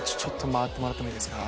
回ってもらってもいいですか？